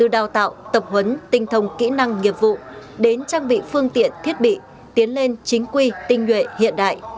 dòng nghiệp vụ đến trang bị phương tiện thiết bị tiến lên chính quy tinh nguyện hiện đại